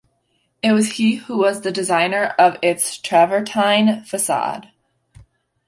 It was he who was the designer of its travertine facade.